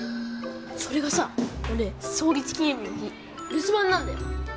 それがさ俺創立記念日の日留守番なんだよ